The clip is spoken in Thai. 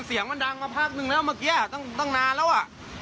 เสียงมันดังมาพักนึงแล้วเมื่อกี้ตั้งนานแล้วอ่ะ